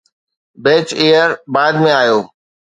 beach ايئر بعد ۾ آيو